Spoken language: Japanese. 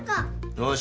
よし。